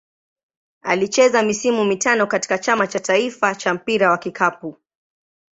Alicheza misimu mitano katika Chama cha taifa cha mpira wa kikapu.